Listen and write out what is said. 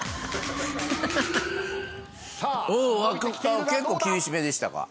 あっ結構厳しめでしたか。